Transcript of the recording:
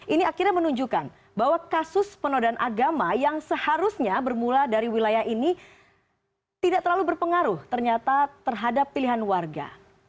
ini akhirnya menunjukkan bahwa kasus penodaan agama yang seharusnya bermula dari wilayah ini tidak terlalu berpengaruh ternyata terhadap pilihan warga